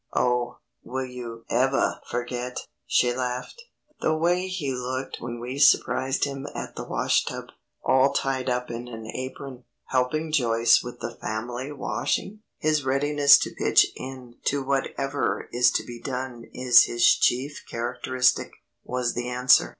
"Oh, will you evah forget," she laughed, "the way he looked when we surprised him at the washtub, all tied up in an apron, helping Joyce with the family washing?" "His readiness to pitch in to whatever is to be done is his chief characteristic," was the answer.